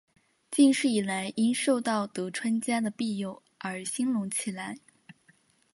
近世以来因受到德川家的庇佑而兴隆起来。